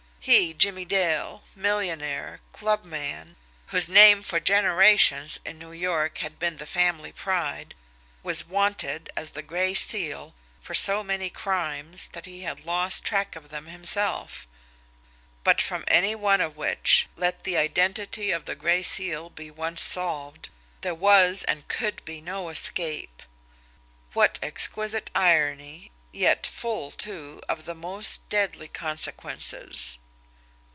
He, Jimmie Dale, millionaire, clubman, whose name for generations in New York had been the family pride, was "wanted" as the Gray Seal for so many "crimes" that he had lost track of them himself but from any one of which, let the identity of the Gray Seal be once solved, there was and could be no escape! What exquisite irony yet full, too, of the most deadly consequences!